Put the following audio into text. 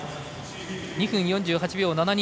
２分４８秒７２。